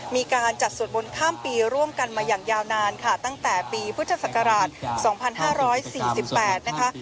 มีการจัดสวดบนข้ามปีร่วมกันมาอย่างยาวนานค่ะตั้งแต่ปีพุทธศักราชสองพันห้าร้อยสี่สิบแปดนะคะ